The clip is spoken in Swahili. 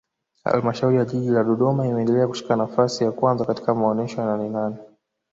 Halmashauri ya Jiji la Dodoma imeendelea kushika nafasi ya kwanza katika maonesho ya Nanenane